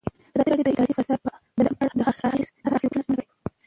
ازادي راډیو د اداري فساد په اړه د هر اړخیز پوښښ ژمنه کړې.